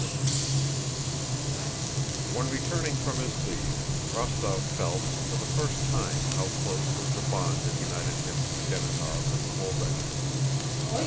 CHAPTER XV When returning from his leave, Rostóv felt, for the first time, how close was the bond that united him to Denísov and the whole regiment.